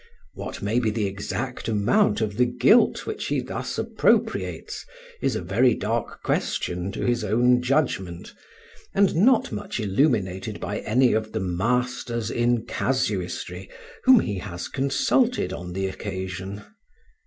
What may be the exact amount of the guilt which he thus appropriates is a very dark question to his own judgment, and not much illuminated by any of the masters in casuistry whom he has consulted on the occasion.